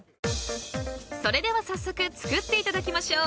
［それでは早速作っていただきましょう］